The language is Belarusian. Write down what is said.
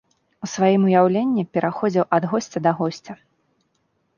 У сваім уяўленні пераходзіў ад госця да госця.